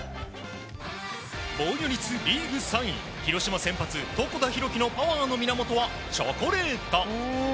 防御率リーグ３位広島先発、床田寛樹のパワーの源は、チョコレート。